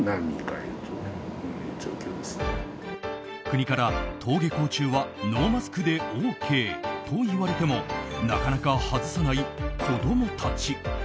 国から登下校中はノーマスクでＯＫと言われてもなかなか外さない子供たち。